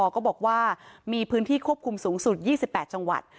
ก็บอกว่ามีพื้นที่ควบคุมสูงสุด๒๘จังหวัด